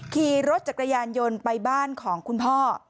ขี่รถจักรยานยนต์ไปบ้านของคุณพ่อ